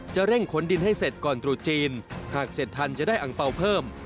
เร่งขนดินให้เสร็จก่อนตรุษจีนหากเสร็จทันจะได้อังเปล่าเพิ่ม